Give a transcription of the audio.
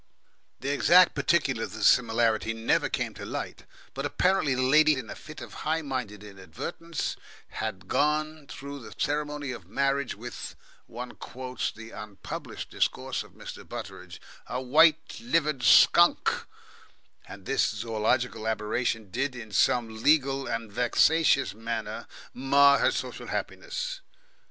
The exact particulars of the similarity never came to light, but apparently the lady had, in a fit of high minded inadvertence, had gone through the ceremony of marriage with, one quotes the unpublished discourse of Mr. Butteridge "a white livered skunk," and this zoological aberration did in some legal and vexatious manner mar her social happiness.